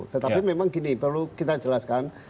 tetapi memang gini perlu kita jelaskan